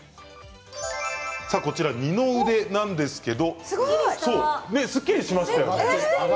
二の腕なんですけれどもすっきりしましたよね。